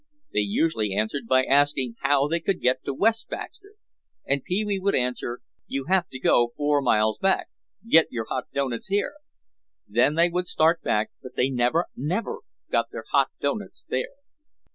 They usually answered by asking how they could get to West Baxter. And Pee wee would answer, "You have to go four miles back, get your hot doughnuts here." Then they would start back but they never, never got their hot doughnuts there.